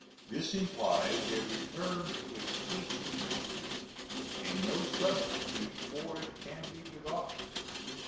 This implies a return to a specie basis, and no substitute for it can be devised.